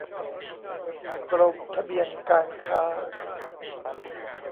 กรมทะเบียนการค้า